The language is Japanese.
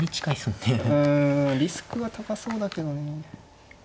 うんリスクは高そうだけどね。